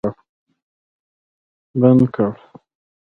بند کړ